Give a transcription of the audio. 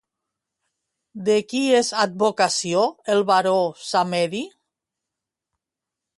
De qui és advocació el Baró Samedi?